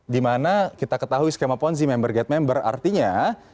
dimana kita ketahui skema ponzi member get member artinya